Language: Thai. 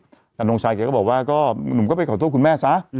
อาจารย์ทงชัยก็บอกว่าก็หนุ่มก็ไปขอโทษคุณแม่ซะ